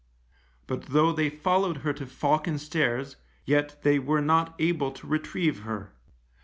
But though they followed her to Falcon Stairs, yet they were not able to retrieve her.